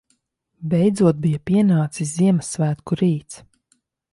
Beidzot bija pienācis Ziemassvētku rīts.